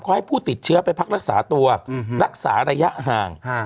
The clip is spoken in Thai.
ให้ผู้ติดเชื้อไปพักรักษาตัวรักษาระยะห่าง